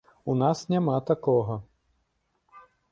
У нас няма такога!